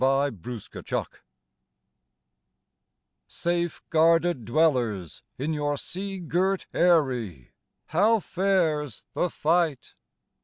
'The Night is Dark' Safe guarded dwellers in your sea girt eyrie How fares the fight?